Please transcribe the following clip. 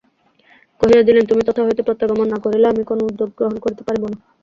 কহিয়া দিলেন তুমি তথা হইতে প্রত্যাগমন না করিলে আমি কোন উদ্যোগ করিতে পারিব না।